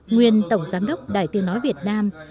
nguyên tổng giám đốc đại tư nói việt nam